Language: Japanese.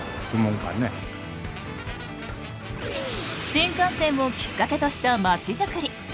新幹線をきっかけとしたまちづくり。